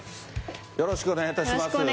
よろしくお願いします。